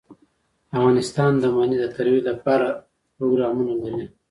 افغانستان د منی د ترویج لپاره پروګرامونه لري.